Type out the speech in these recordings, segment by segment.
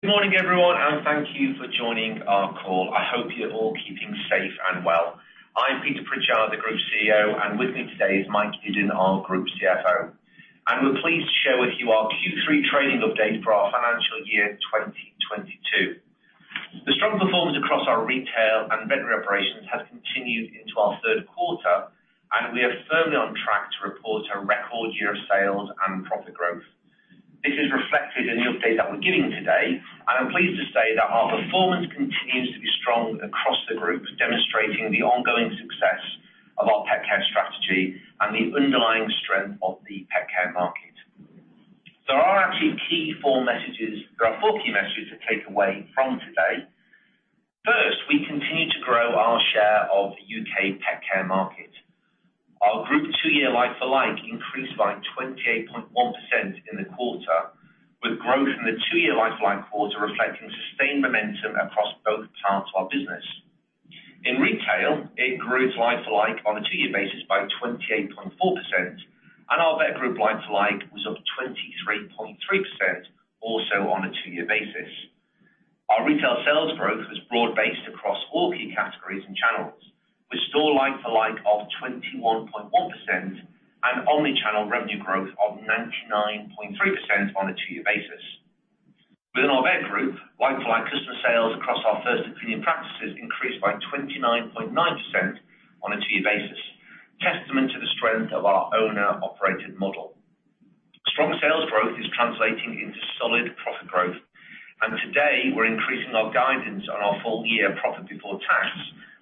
Good morning, everyone, and thank you for joining our call. I hope you're all keeping safe and well. I'm Peter Pritchard, the Group CEO, and with me today is Mike Iddon, our Group CFO. We're pleased to share with you our Q3 trading update for our financial year 2022. The strong performance across our retail and veterinary operations has continued into our third quarter, and we are firmly on track to report a record year of sales and profit growth. This is reflected in the update that we're giving today, and I'm pleased to say that our performance continues to be strong across the group, demonstrating the ongoing success of our pet care strategy and the underlying strength of the pet care market. There are actually four key messages to take away from today. First, we continue to grow our share of the UK pet care market. Our group two-year like-for-like increased by 28.1% in the quarter, with growth in the two-year like-for-like quarter reflecting sustained momentum across both parts of our business. In retail, it grew like-for-like on a two-year basis by 28.4%, and our Vet Group like-for-like was up 23.3% also on a two-year basis. Our retail sales growth was broad-based across all key categories and channels with store like-for-like of 21.1% and omnichannel revenue growth of 99.3% on a two-year basis. Within our Vet Group, like-for-like customer sales across our First Opinion practices increased by 29.9% on a two-year basis, testament to the strength of our owner-operated model. Strong sales growth is translating into solid profit growth, and today we're increasing our guidance on our full year profit before tax,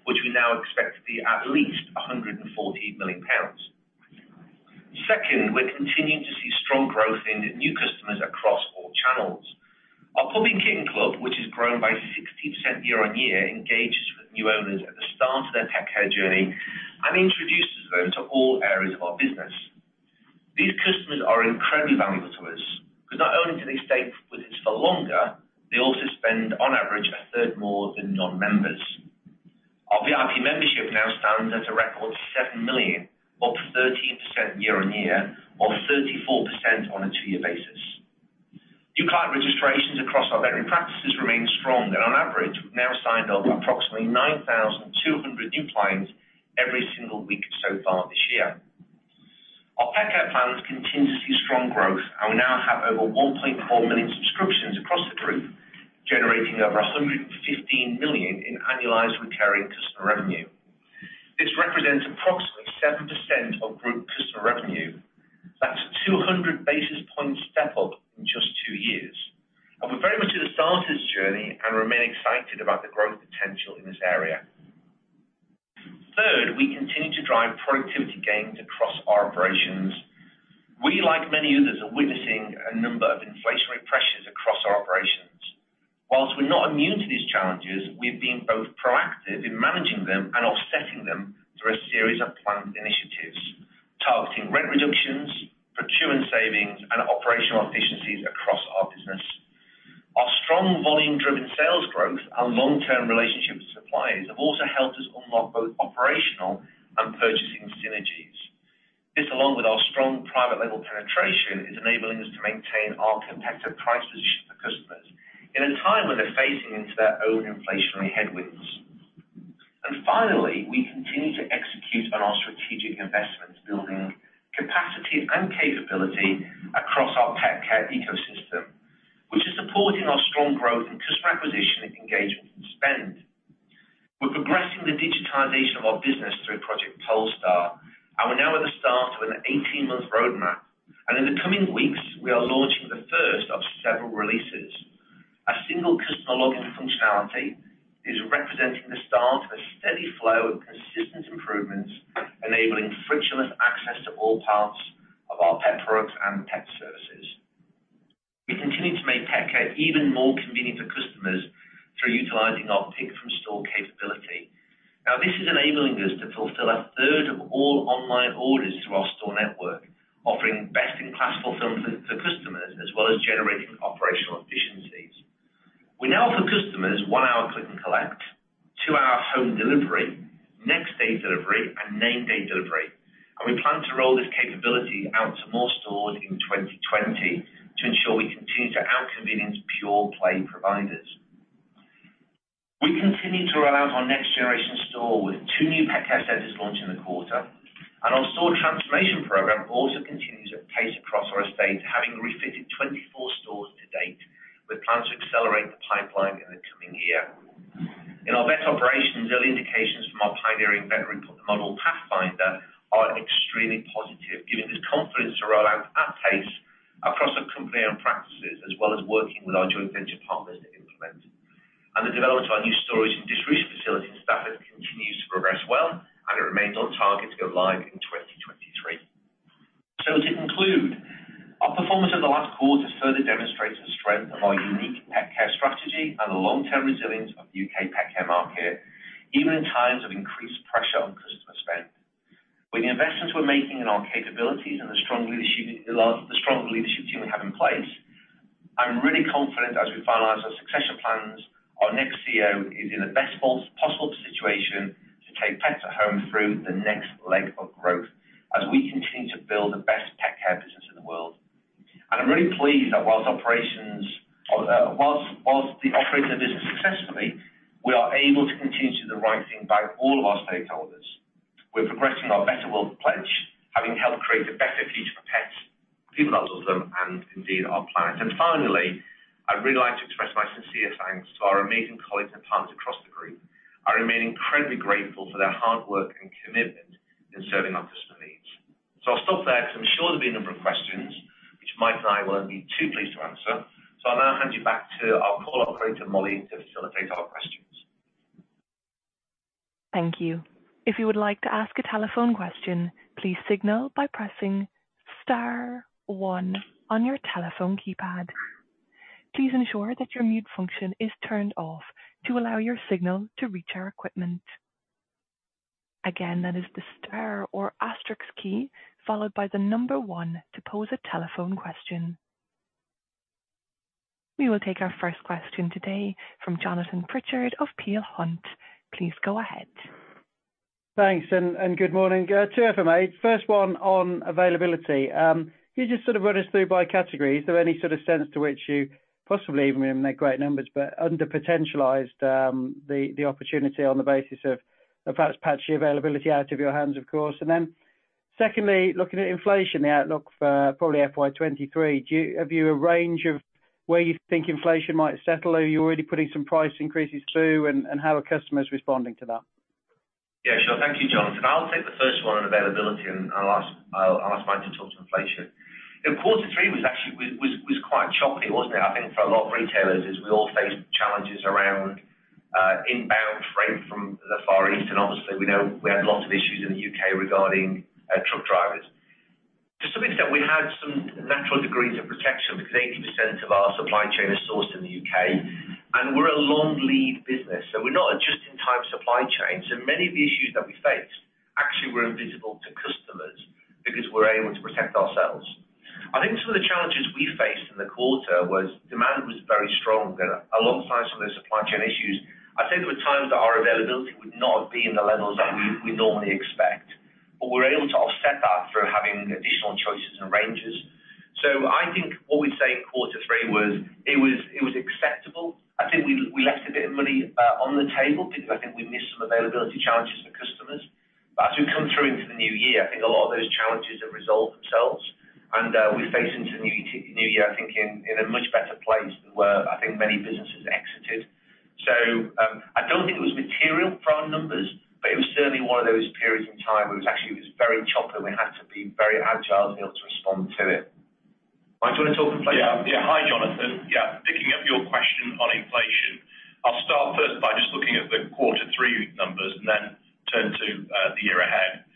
which we now expect to be at least 140 million pounds. Second, we're continuing to see strong growth in new customers across all channels. Our Puppy and Kitten Club, which has grown by 60% year-over-year, engages with new owners at the start of their pet care journey and introduces them to all areas of our business. These customers are incredibly valuable to us 'cause not only do they stay with us for longer, they also spend on average a third more than non-members. Our VIP membership now stands at a record 7 million, up 13% year-over-year or 34% on a two-year basis. New client registrations across our veterinary practices remain strong, and on average, we've now signed up approximately 9,200 new clients every single week so far this year. Our pet care plans continue to see strong growth, and we now have over 1.4 million subscriptions across the group, generating over 115 million in annualized recurring customer revenue. This represents approximately 7% of group customer revenue. That's a 200 basis point step-up in just two years. We're very much at the start of this journey and remain excited about the growth potential in this area. Third, we continue to drive productivity gains across our operations. We, like many others, are witnessing a number of inflationary pressures across our operations. While we're not immune to these challenges, we've been both proactive in managing them and offsetting them through a series of planned initiatives, targeting rent reductions, procurement savings, and operational efficiencies across our business. Our strong volume-driven sales growth and long-term relationships with suppliers have also helped us unlock both operational and purchasing synergies. This, along with our strong private label penetration, is enabling us to maintain our competitive price position for customers in a time when they're facing into their own inflationary headwinds. Finally, we continue to execute on our strategic investments, building capacity and capability across our pet care ecosystem, which is supporting our strong growth in customer acquisition, engagement, and spend. We're progressing the digitization of our business through Project Polestar, and we're now at the start of an 18-month roadmap. In the coming weeks, we are launching the first of several releases. A single customer login functionality is representing the start of a steady flow of consistent improvements, enabling frictionless access to all parts of our pet products and pet services. We continue to make pet care even more convenient for customers through utilizing our pick from store capability. Now, this is enabling us to fulfill a third of all online orders through our store network, offering best in class fulfillment for customers as well as generating operational efficiencies. We now offer customers one-hour click and collect, two-hour home delivery, next day delivery, and named day delivery, and we plan to roll this capability out to more stores in 2020 to ensure we continue to out-convenience pure-play providers. We continue to roll out our next generation store with two new Pet Care Centres launched in the quarter. Our store transformation program also continues at pace across our estate, having refitted 24 stores to date with plans to accelerate the pipeline in the coming year. In our vet operations, early indications from our pioneering veterinary model Pathfinder are extremely positive, giving us confidence to roll out at pace across our company-owned practices, as well as working with our joint venture partners to implement. The development of our new storage and distribution facility in Stafford continues to progress well, and it remains on target to go live in 2023. To conclude, our performance in the last quarter further demonstrates the strength of our unique pet care strategy and the long-term resilience of the U.K. pet care market, even in times of increased pressure on customer spend. With the investments we're making in our capabilities and the strong leadership team we have in place, I'm really confident as we finalize our succession plans. Our next CEO is in the best possible situation to take Pets at Home through the next leg of growth as we continue to build the best pet care business in the world. I'm really pleased that whilst the operation of the business successfully, we are able to continue to do the right thing by all of our stakeholders. We're progressing our Better World pledge, having helped create a better future for pets, people that love them, and indeed, our planet. Finally, I'd really like to express my sincere thanks to our amazing colleagues and partners across the group. I remain incredibly grateful for their hard work and commitment in serving our customer needs. I'll stop there 'cause I'm sure there'll be a number of questions which Mike and I will be too pleased to answer. I'll now hand you back to our call operator, Molly, to facilitate our questions. Thank you. If you would like to ask a telephone question, please signal by pressing star one on your telephone keypad. Please ensure that your mute function is turned off to allow your signal to reach our equipment. Again, that is the star or asterisks key, followed by the number one to pose a telephone question. We will take our first question today from Jonathan Pritchard of Peel Hunt. Please go ahead. Thanks, and good morning. Two from me. First one on availability. You just sort of run us through by category. Is there any sort of sense to which you possibly even made great numbers, but underpotentialized the opportunity on the basis of perhaps patchy availability out of your hands, of course. Secondly, looking at inflation, the outlook for probably FY 2023, do you have a range of where you think inflation might settle? Are you already putting some price increases through and how are customers responding to that? Yeah, sure. Thank you, Jonathan. I'll take the first one on availability, and I'll ask Mike to talk to inflation. In quarter three was actually quite choppy, wasn't it, I think for a lot of retailers as we all faced challenges around inbound freight from the Far East. Obviously, we know we had lots of issues in the U.K. regarding truck drivers. To some extent, we had some natural degrees of protection because 80% of our supply chain is sourced in the U.K., and we're a long lead business, so we're not a just in time supply chain. Many of the issues that we faced actually were invisible to customers because we're able to protect ourselves. I think some of the challenges we faced in the quarter was demand very strong alongside some of the supply chain issues. I'd say there were times that our availability would not have been the levels that we normally expect, but we were able to offset that through having additional choices and ranges. I think what we'd say in quarter three was, it was acceptable. I think we left a bit of money on the table because I think we missed some availability challenges for customers. As we come through into the new year, I think a lot of those challenges have resolved themselves. We face into new year, I think in a much better place than where I think many businesses exited. I don't think it was material for our numbers, but it was certainly one of those periods in time where it was actually very choppy and we had to be very agile to be able to respond to it. Mike, do you wanna talk inflation? Hi, Jonathan. Picking up your question on inflation. I'll start first by just looking at the quarter three numbers and then turn to the year ahead.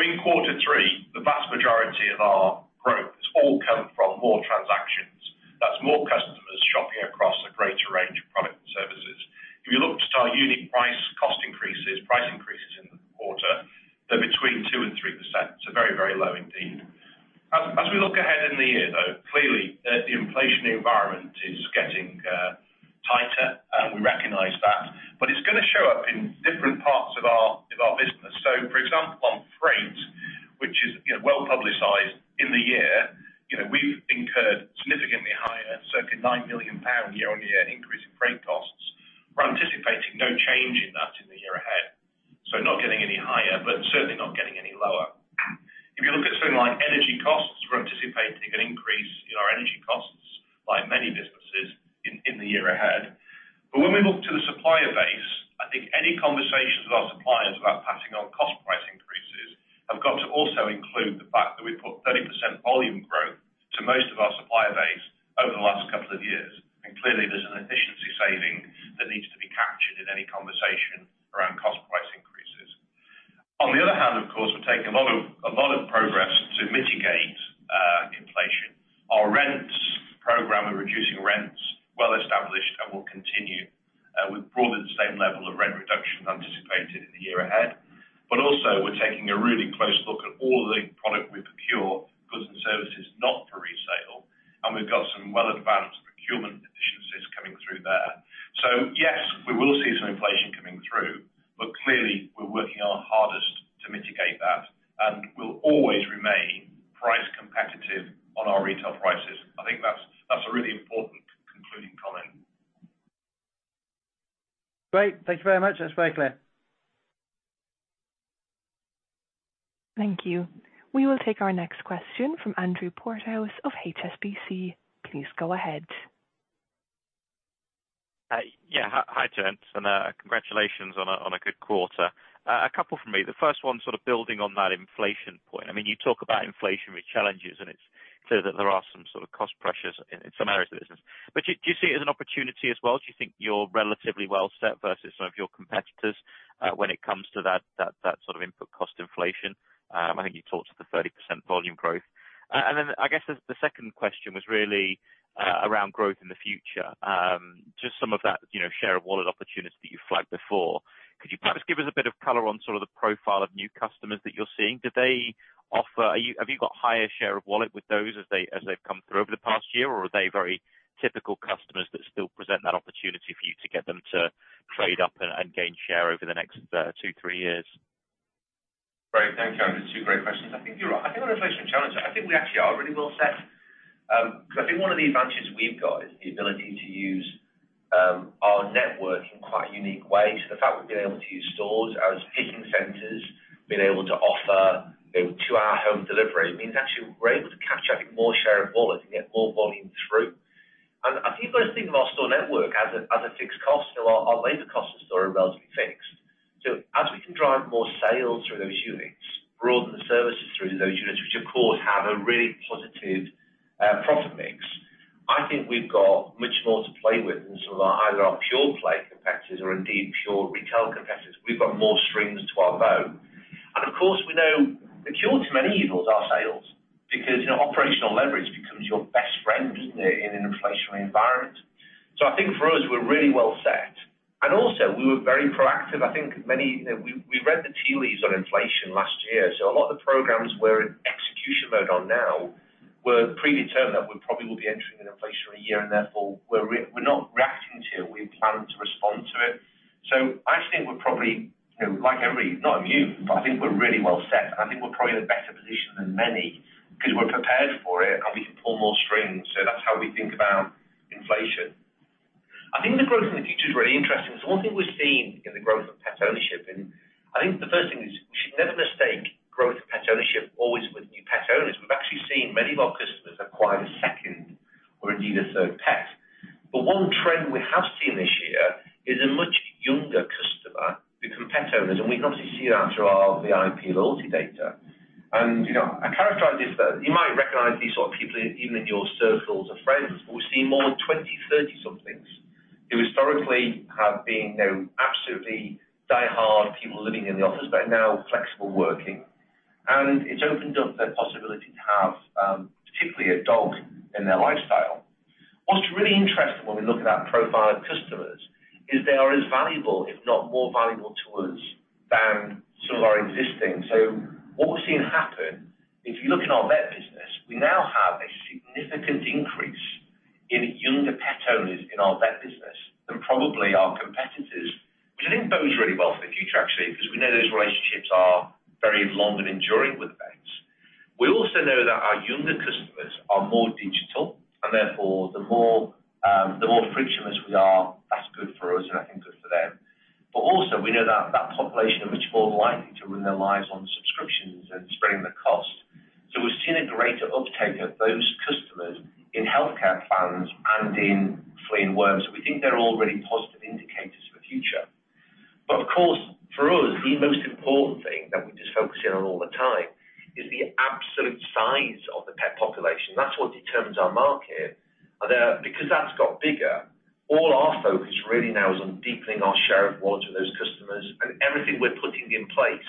In quarter three, the vast majority of our growth has all come from more transactions. That's more customers shopping across a greater range of products and services. If you looked at our unique price cost increases, price increases in the quarter, they're between 2%-3%, so very, very low indeed. As we look ahead in the year, though, clearly, the inflation environment is getting tighter and we recognize that, but it's gonna show up in different parts of our business. For example, on freight, which is, you know, well publicized in the year, you know, we've incurred significantly higher, circa 9 million pound year-on-year increase in freight costs. We're anticipating no change in that in the year ahead. Not getting any higher, but certainly not getting any lower. If you look at something like energy costs, we're anticipating an increase in our energy costs like many businesses in the year ahead. When we look to the supplier base, I think any conversations with our suppliers about passing on cost price increases have got to also include the fact that we've put 30% volume growth to most of our supplier base clear that there are some sort of cost pressures in some areas of the business. Do you see it as an opportunity as well? Do you think you're relatively well set versus some of your competitors, when it comes to that sort of input cost inflation? I think you talked to the 30% volume growth. Then I guess the second question was really around growth in the future. Just some of that, you know, share of wallet. Like before. Could you perhaps give us a bit of color on sort of the profile of new customers that you're seeing? Have you got higher share of wallet with those as they've come through over the past year? Or are they very typical customers that still present that opportunity for you to get them to trade up and gain share over the next two, three years? Great. Thank you. Those are two great questions. I think you're right. I think on inflationary challenge, I think we actually are really well set. 'Cause I think one of the advantages we've got is the ability to use our network in quite a unique way. The fact we've been able to use stores as picking centers, been able to offer two-hour home delivery, means actually we're able to capture, I think, more share of wallet and get more volume through. I think when you think of our store network as a fixed cost, our labor costs are still relatively fixed. As we can drive more sales through those units, broaden the services through those units, which of course have a really positive profit mix, I think we've got much more to play with than some of our either our pure-play competitors or indeed pure retail competitors. We've got more strings to our bow. Of course, we know the cure to many evils are sales because, you know, operational leverage becomes your best friend, doesn't it, in an inflationary environment. I think for us, we're really well set. Also we were very proactive. I think many, you know, we read the tea leaves on inflation last year, so a lot of the programs we're in execution mode on now were predetermined. We probably will be entering an inflationary year and therefore we're not reacting to it, we're planning to respond to it. I just think we're probably, you know, like every, not immune, but I think we're really well set. I think we're probably in a better position than many 'cause we're prepared for it and we can pull more strings. That's how we think about inflation. I think the growth in the future is really interesting. One thing we're seeing in the growth of pet ownership, and I think the first thing is we should never mistake growth of pet ownership always with new pet owners. We've actually seen many of our customers acquire a second or indeed a third pet. One trend we have seen this year is a much younger customer become pet owners, and we can obviously see that through our VIP loyalty data. You know, I characterize this though. You might recognize these sort of people even in your circles of friends. We're seeing more 20, 30-somethings who historically have been, you know, absolutely diehard people living in the office, but are now flexible working. It's opened up their possibility to have, particularly a dog in their lifestyle. What's really interesting when we look at that profile of customers is they are as valuable, if not more valuable to us than some of our existing. What we're seeing happen, if you look in our vet business, we now have a significant increase in younger pet owners in our vet business than probably our competitors, which I think bodes really well for the future actually, because we know those relationships are very long and enduring with vets. We also know that our younger customers are more digital and therefore the more frictionless we are, that's good for us and I think good for them. We know that population are much more likely to run their lives on subscriptions and spreading the cost. We're seeing a greater uptake of those customers in healthcare plans and in flea and worm. We think they're all really positive indicators for the future. Of course, for us, the most important thing that we're just focusing on all the time is the absolute size of the pet population. That's what determines our market. Because that's got bigger, all our focus really now is on deepening our share of wallet with those customers and everything we're putting in place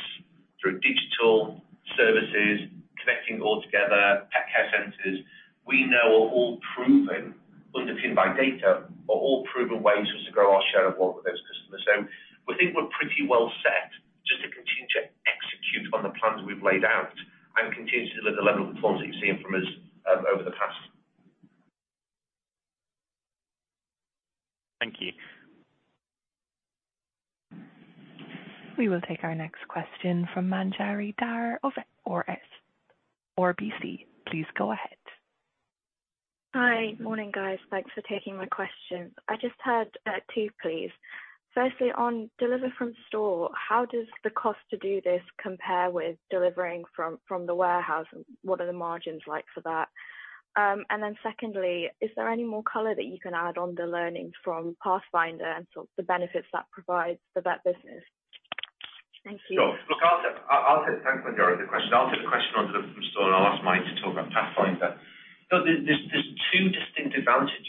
through digital services, connecting all together, Pet Care Centres, we know are all proven, underpinned by data, are all proven ways for us to grow our share of wallet with those customers. We think we're pretty well set just to continue to execute on the plans we've laid out and continue to deliver the level of performance that you've seen from us, over the past. Thank you. We will take our next question from Manjari Dhar of RBC. Please go ahead. Hi. Morning, guys. Thanks for taking my question. I just had two, please. Firstly, on delivery from store, how does the cost to do this compare with delivering from the warehouse? What are the margins like for that? Secondly, is there any more color that you can add on the learnings from Pathfinder and sort of the benefits that provides the vet business? Thank you. Sure. Look, I'll take it. Thanks, Manjari, for the question. I'll take the question on delivery from store and I'll ask Mike to talk about Pathfinder. There are two distinct advantages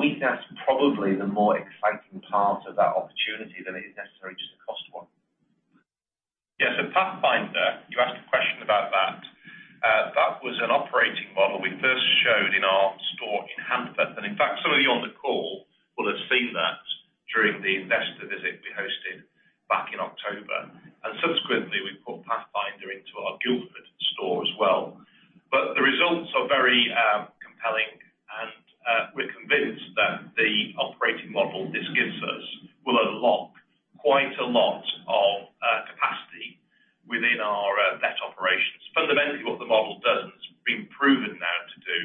We think that's probably the more exciting part of that opportunity than it is necessarily just a cost one. Pathfinder, you asked a question about that. That was an operating model we first showed in our store in Handforth. In fact, some of you on the call will have seen that during the investor visit we hosted back in October. Subsequently, we put Pathfinder into our Guildford store as well. The results are very compelling and we're convinced that the operating model this gives us will unlock quite a lot of capacity within our vet operations. Fundamentally, what the model does, it's been proven now to do,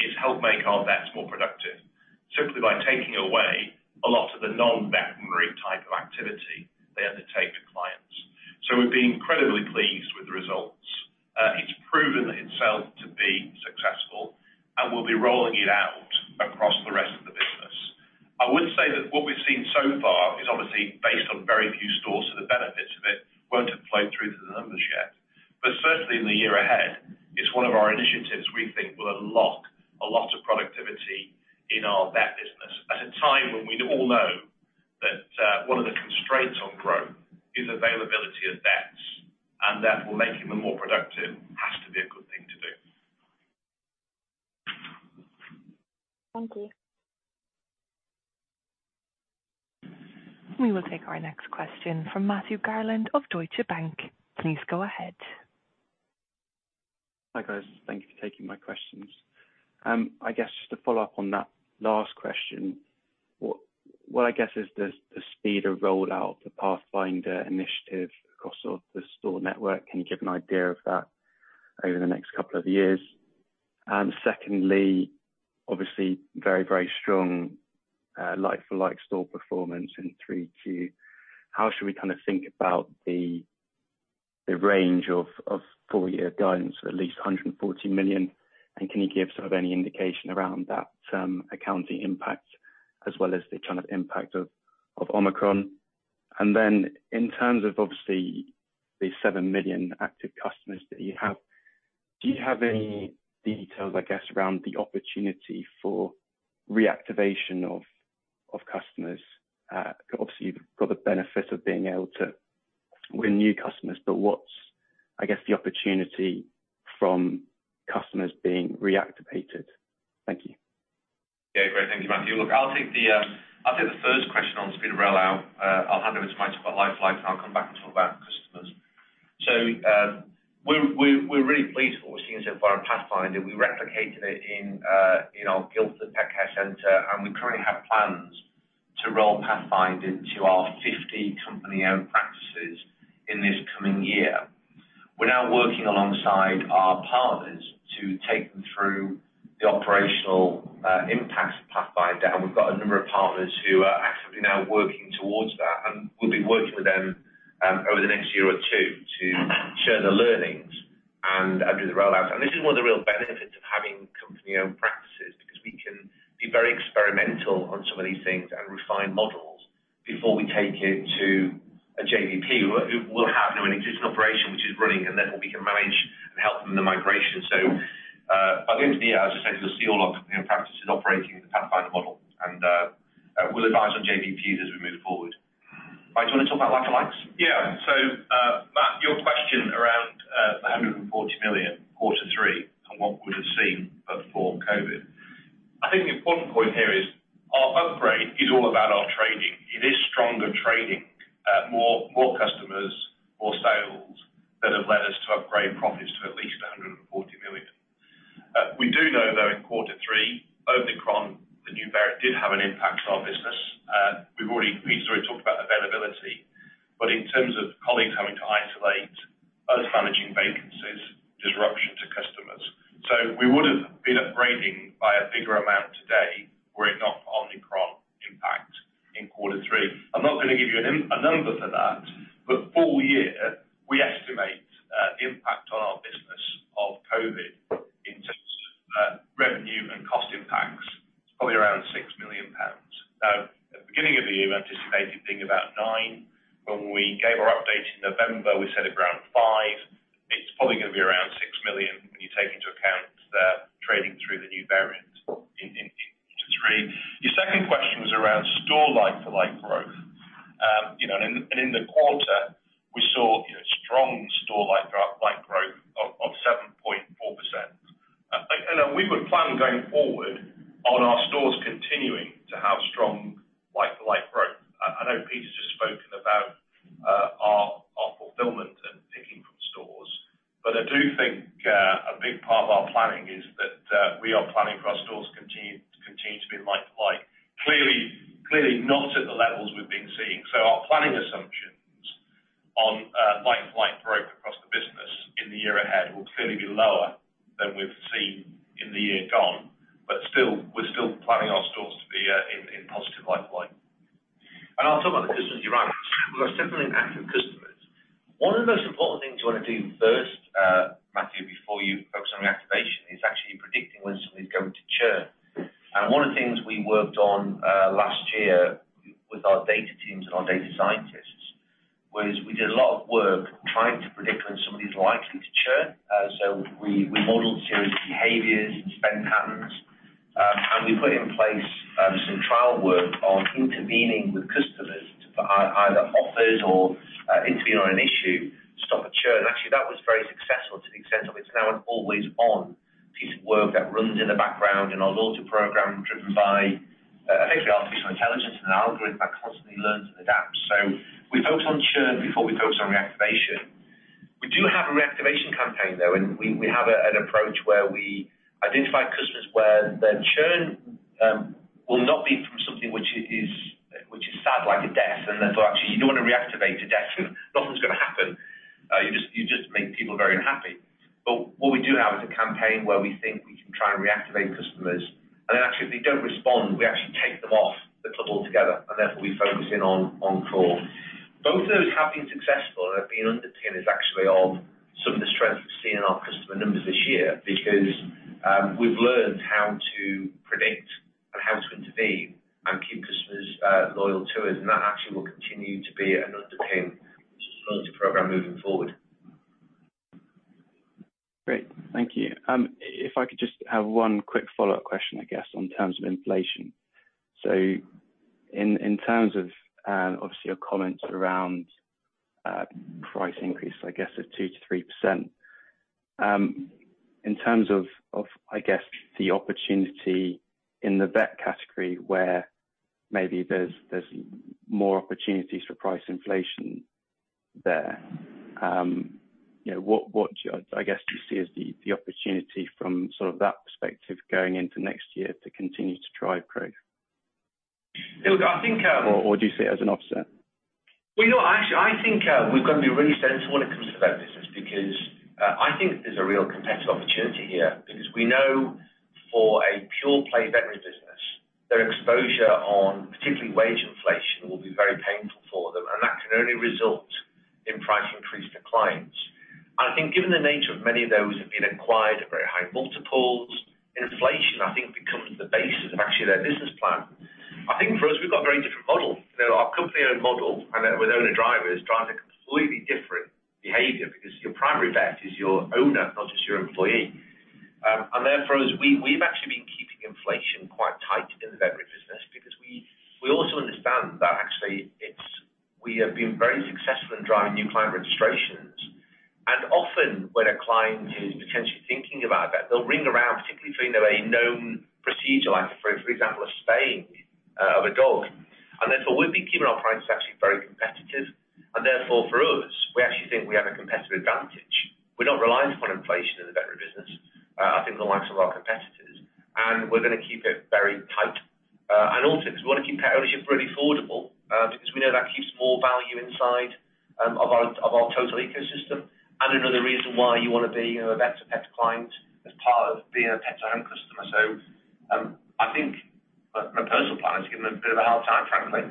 is help make our vets more productive simply by taking away a lot of the non-veterinary type of activity they undertake with clients. We've been incredibly pleased with the results. It's proven itself to be successful, and we'll be rolling it out across the rest of the business. I would say that what we've seen so far is obviously based on very few stores, so the benefits of it won't have flowed through to the numbers yet. Certainly in the year ahead, it's one of our initiatives we think will unlock a lot of productivity in our vet business at a time when we all know that one of the constraints on growth is availability of vets, and therefore making them more productive has to be a good thing to do. Thank you. We will take our next question from Matthew Garland of Deutsche Bank. Please go ahead. Hi, guys. Thank you for taking my questions. I guess just to follow up on that last question, what I guess is the speed of rollout, the Pathfinder initiative across the store network, can you give an idea of that over the next couple of years? And secondly, obviously very, very strong like-for-like store performance in Q3. How should we kinda think about the range of full year guidance of at least 140 million? And can you give sort of any indication around that accounting impact as well as the kind of impact of Omicron? And then in terms of obviously the 7 million active customers that you have, do you have any details, I guess, around the opportunity for reactivation of customers? Obviously you've got the benefit of being able to win new customers, but what's, I guess, the opportunity from customers being reactivated? Thank you. Yeah. Great. Thank you, Matthew. Look, I'll take the first question on the speed of rollout. I'll hand over to Mike to talk about like-for-like, and I'll come back and talk about customers. We're really pleased with what we've seen so far in Pathfinder. We replicated it in our Guildford Pet Care Center, and we currently have plans to roll Pathfinder into our 50 company-owned practices in this coming year. We're now working alongside our partners to take them through the operational impact of Pathfinder, and we've got a number of partners who are actively now working towards that, and we'll be working with them over the next year or two to share the learnings and do the rollout. This is one of the real benefits of having company-owned practices because we can be very experimental on some of these things and refine models before we take it to a JVP. We'll have an existing operation which is running, and therefore we can manage and help them in the migration. By the end of the year, as I said, you'll see all our company-owned practices operating in the Pathfinder model, and we'll advise on JVPs as we move forward. Mike, do you wanna talk about like-for-like? Yeah. Matt, your question around the 140 million quarter three and what we would've seen before COVID. I think the important point here is our upgrade is all about our trading. It is stronger trading, more customers, more sales that have led us to upgrade profits to at least 140 million. We do know though in quarter three, Omicron, the new variant, did have an impact to our business. We've already, Peter's already talked about availability, but in terms of colleagues having to isolate, us managing vacancies, disruption to customers. We would've been upgrading by a bigger amount today were it not for Omicron impact in quarter three. I'm not gonna give you a number for that, but full year we estimate In terms of, I guess, the opportunity in the vet category where maybe there's more opportunities for price inflation there. You know, what do you, I guess, see as the opportunity from sort of that perspective going into next year to continue to drive growth? Look, I think. Do you see it as an offset? Well, no, actually I think we've got to be really sensible when it comes to that business because I think there's a real competitive opportunity here because we know for a pure play veterinary business, their exposure on particularly wage inflation will be very painful for them, and that can only result in price increase to clients. I think given the nature of many of those have been acquired at very high multiples, inflation I think becomes the basis of actually their business plan. I think for us, we've got a very different model. You know, our company-owned model and then with owner drivers drives a completely different behavior because your primary vet is your owner, not just your employee. We've actually been keeping inflation quite tight in the veterinary business because we also understand that actually it's we have been very successful in driving new client registrations. Often when a client is potentially thinking about that, they'll ring around, particularly if we know a known procedure, for example, a spaying of a dog. Therefore, we've been keeping our prices actually very competitive. Therefore for us, we actually think we have a competitive advantage. We're not reliant upon inflation in the veterinary business, I think the likes of our competitors, and we're gonna keep it very tight. Also 'cause we wanna keep pet ownership really affordable, because we know that keeps more value inside of our total ecosystem. Another reason why you wanna be, you know, a Vets4Pets client as part of being a Pets at Home customer. I think the proposal plan has given them a bit of a hard time, frankly.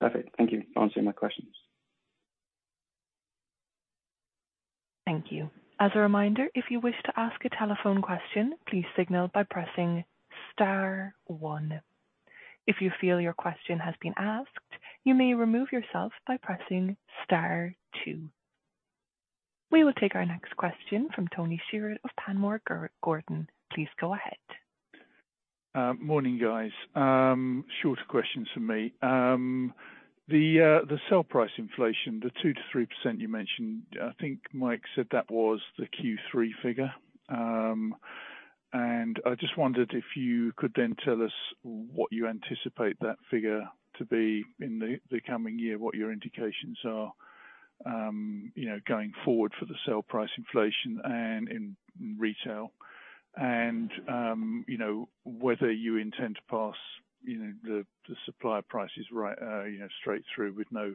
Perfect. Thank you for answering my questions. Thank you. As a reminder, if you wish to ask a telephone question, please signal by pressing star one. If you feel your question has been asked, you may remove yourself by pressing star two. We will take our next question from Tony Shiret of Panmure Gordon. Please go ahead. Morning, guys. Shorter question from me. The selling price inflation, the 2%-3% you mentioned. I think Mike said that was the Q3 figure. I just wondered if you could then tell us what you anticipate that figure to be in the coming year, what your indications are, you know, going forward for the selling price inflation and in retail and, you know, whether you intend to pass, you know, the supplier prices right, you know, straight through with no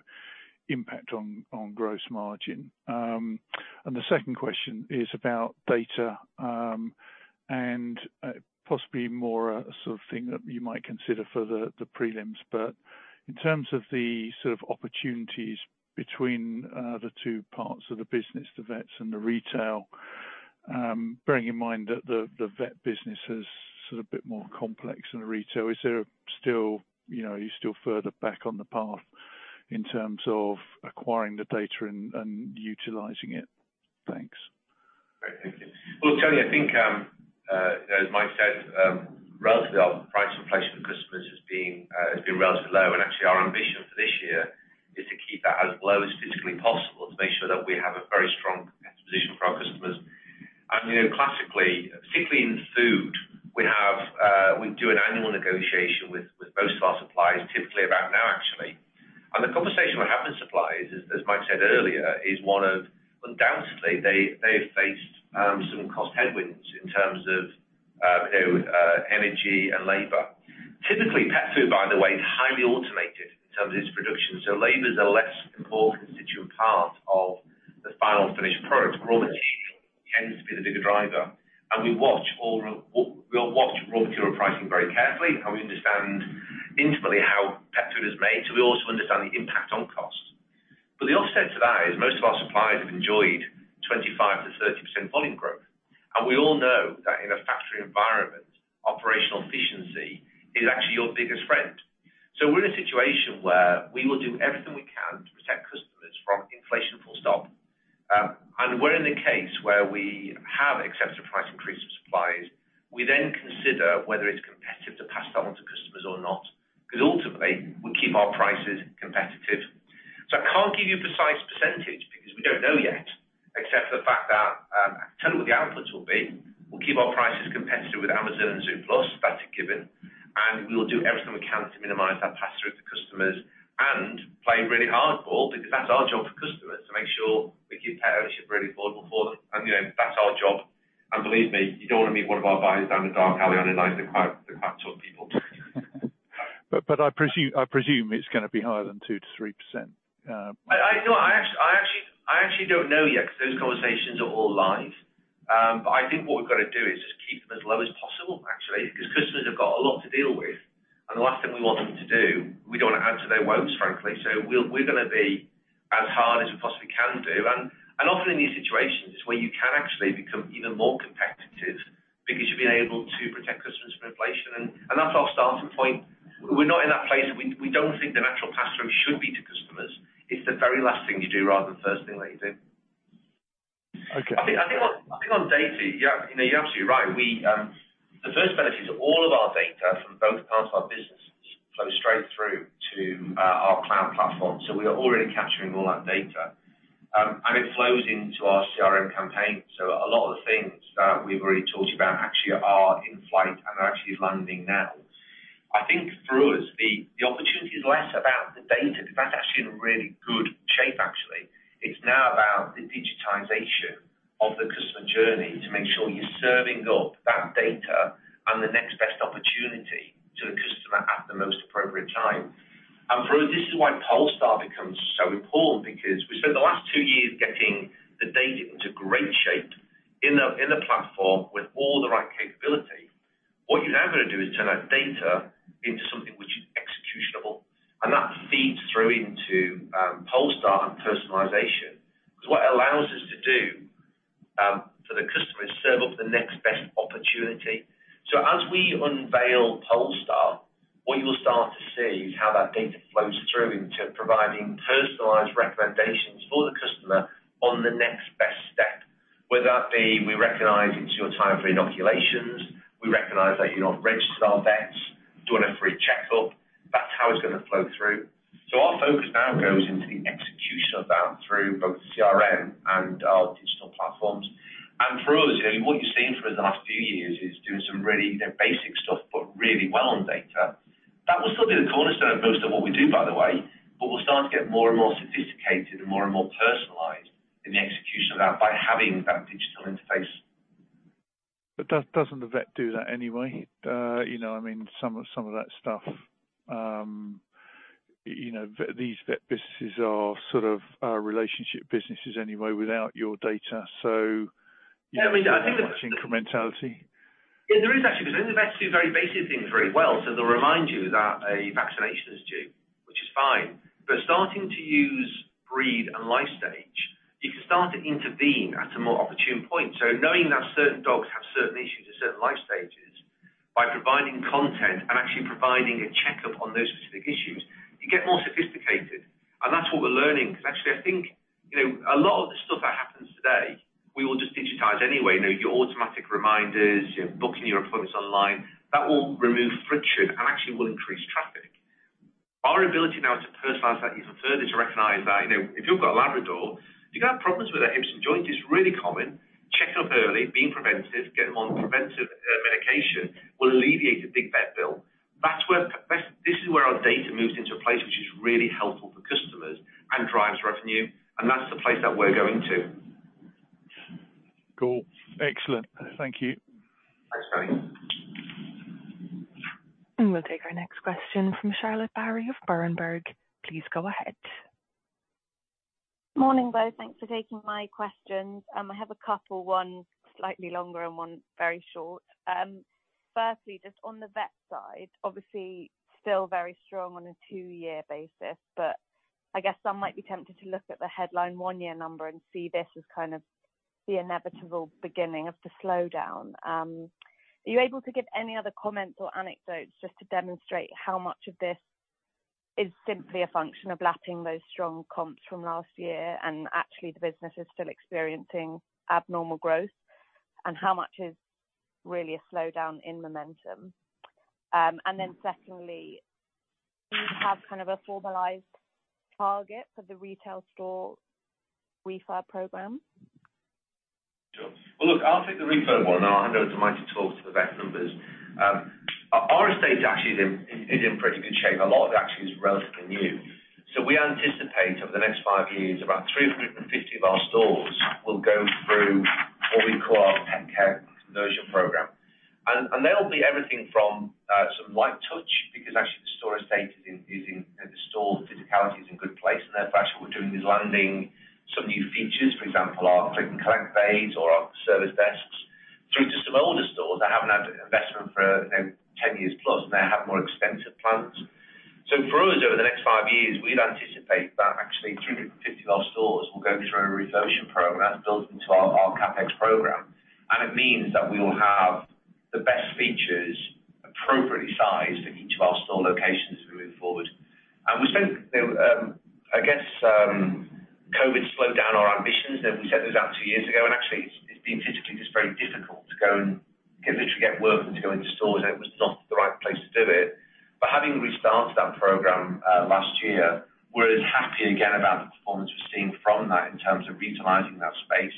impact on gross margin. The second question is about data, and, possibly more a sort of thing that you might consider for the prelims. In terms of the sort of opportunities between the two parts of the business, the vets and the retail, bearing in mind that the vet business is sort of a bit more complex than retail, is there still, you know, are you still further back on the path in terms of acquiring the data and utilizing it? Thanks. Great. Thank you. Well, Tony, I think, as Mike said, relatively our price inflation for customers has been relatively low and actually our ambition for this year is to keep that as low as physically possible to make sure that we have a very strong competitive position for our customers. You know, classically, particularly in food, we do an annual negotiation with most of our suppliers, typically about now actually. The conversation we're having with suppliers is, as Mike said earlier, one of, undoubtedly, they have faced some cost headwinds in terms of, you know, energy and labor. Typically pet food, by the way, is highly automated in terms of its production, so labor's a less important constituent part of the final finished product. Raw material tends to be the bigger driver. We watch raw material pricing very carefully and we understand intimately how pet food is made. We also understand the impact. Most of our suppliers have enjoyed 25%-30% volume growth. We all know that in a factory environment, operational efficiency is actually your biggest friend. We're in a situation where we will do everything we can to protect customers from inflation, full stop. We're in a case where we have accepted price increases from suppliers, we then consider whether it's competitive to pass that on to customers or not, because ultimately, we keep our prices competitive. I can't give you a precise percentage because we don't know yet, except for the fact that, I can tell you what the outputs will be. We'll keep our prices competitive with Amazon and Zooplus, that's a given. We will do everything we can to minimize that pass-through to customers and play really hard, Tony, because that's our job for customers to make sure we keep pet ownership really affordable for them. You know, that's our job. Believe me, you don't want to meet one of our buyers down a dark alley on a night. They're quite tough people. I presume it's gonna be higher than 2%-3%. No, I actually don't know yet 'cause those conversations are all live. But I think what we've got to do is just keep them as low as possible, actually, because customers have got a lot to deal with. The last thing we want them to do, we don't want to add to their woes, frankly. We're gonna be as hard as we possibly can do. Often in these situations where you can actually become even more competitive because you've been able to protect customers from inflation. That's our starting point. We're not in that place. We don't think the natural pass-through should be to customers. It's the very last thing you do rather than the first thing that you do. Okay. I think on data, you know, you're absolutely right. The first benefit is all of our data from both parts of our business flow straight through to our cloud platform. We are already capturing all that data. It flows into our CRM campaign. A lot of the things that we've already talked about actually are in flight and are actually landing now. I think for us, the opportunity is less about the data because that's actually in really good shape, actually. It's now about the digitization of the customer journey to make sure you're serving up that data and the next best opportunity to the customer at the most appropriate time. For us, this is why Polestar becomes so important because we spent the last two years getting the data into great shape in a platform with all the right capability. What you're now gonna do is turn that data into something which is executable, and that feeds through into Polestar and personalization. 'Cause what it allows us to do for the customer is serve up the next best opportunity. As we unveil Polestar, what you will start to see is how that data flows through into providing personalized recommendations for the customer on the next best step. Whether that be we recognize it's your time for inoculations, we recognize that you're not registered to our vets, doing a free checkup. That's how it's gonna flow through. Our focus now goes into the execution of that through both CRM and our digital platforms. For us, you know, what you've seen for the last few years is doing some really, you know, basic stuff, but really well on data. That will still be the cornerstone of most of what we do, by the way, but we'll start to get more and more sophisticated and more and more personalized in the execution of that by having that digital interface. Doesn't the vet do that anyway? You know, I mean, some of that stuff. You know, these vet businesses are sort of relationship businesses anyway without your data. You know, I don't think there's much incrementality. Yeah, there is actually, because only the vets do very basic things very well. They'll remind you that a vaccination is due, which is fine. Starting to use breed and life stage, you can start to intervene at a more opportune point. Knowing that certain dogs have certain issues at certain life stages, by providing content and actually providing a checkup on those specific issues, you get more sophisticated. That's what we're learning, 'cause actually I think, you know, a lot of the stuff that happens today, we will just digitize anyway. You know, your automatic reminders, you know, booking your appointments online. That will remove friction and actually will increase traffic. Our ability now to personalize that even further to recognize that, you know, if you've got a Labrador, you're gonna have problems with their hips and joints. It's really common. Checkup early, being preventive, get them on preventive medication will alleviate a big vet bill. This is where our data moves into a place which is really helpful for customers and drives revenue, and that's the place that we're going to. Cool. Excellent. Thank you. Thanks, Tony. We'll take our next question from Charlotte Barrie of Berenberg. Please go ahead. Morning, Bo. Thanks for taking my questions. I have a couple, one slightly longer and one very short. Firstly, just on the vet side, obviously still very strong on a two-year basis, but I guess some might be tempted to look at the headline one-year number and see this as kind of the inevitable beginning of the slowdown. Are you able to give any other comments or anecdotes just to demonstrate how much of this is simply a function of lapping those strong comps from last year, and actually the business is still experiencing abnormal growth, and how much is really a slowdown in momentum? And then secondly, do you have kind of a formalized target for the retail store refit program? Sure. Well, look, I'll take the refi one, and then I'll hand over to Mike to talk through the vet numbers. Our estate actually is in pretty good shape. A lot of it actually is relatively new. We anticipate over the next five years, about 350 of our stores will go through what we call our pet care conversion program. They'll be everything from some light touch because actually the store estate is in good place. Therefore, actually what we're doing is landing some new features. For example, our click and collect bays or our service desks through to some older stores that haven't had investment for, you know, 10 years plus, now have more expensive plans. For us, over the next five years, we'd anticipate that actually 350 of our stores will go through a refurbishment program built into our CapEx program. It means that we will have the best features appropriately sized in each of our store locations as we move forward. We spent, you know, I guess, COVID slowed down our ambitions. We set those out two years ago, and actually it's been physically just very difficult to go and literally get workers to go into stores, and it was not the right place to do it. Having restarted that program last year, we're as happy again about the performance we've seen from that in terms of reutilizing that space,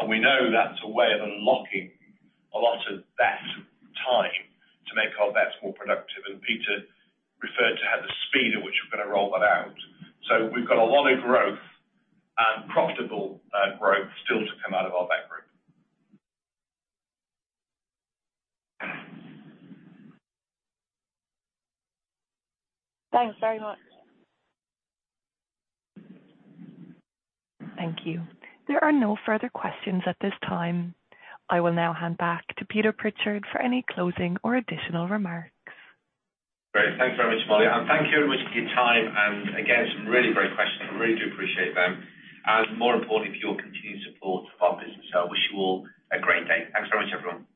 and we know that's a way of unlocking a lot of vet time to make our vets more productive. Peter referred to how the speed at which we're gonna roll that out. We've got a lot of growth and profitable growth still to come out of our Vet Group. Thanks very much. Thank you. There are no further questions at this time. I will now hand back to Peter Pritchard for any closing or additional remarks. Great. Thanks very much, Molly, and thank you very much for your time and again, some really great questions. I really do appreciate them, and more importantly, for your continued support of our business. I wish you all a great day. Thanks very much, everyone.